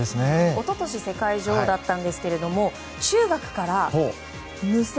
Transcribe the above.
一昨年世界女王だったんですけれども中学から無敗。